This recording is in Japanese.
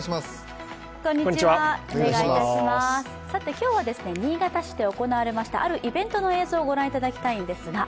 今日は新潟市で行われましたあるイベントの映像をご覧いただきたいんですが。